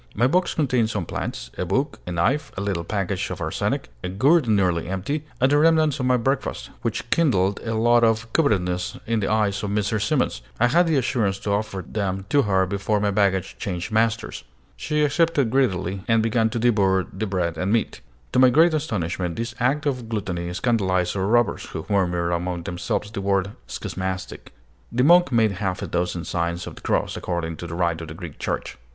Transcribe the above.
My box contained some plants, a book, a knife, a little package of arsenic, a gourd nearly empty, and the remnants of my breakfast, which kindled a look of covetousness in the eyes of Mrs. Simons. I had the assurance to offer them to her before my baggage changed masters. She accepted greedily, and began to devour the bread and meat. To my great astonishment, this act of gluttony scandalized our robbers, who murmured among themselves the word "Schismatic:" The monk made half a dozen signs of the cross, according to the rite of the Greek Church.